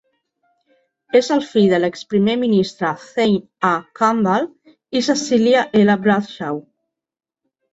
És el fill de l'exprimer ministre Thane A. Campbell i Cecilia L. Bradshaw.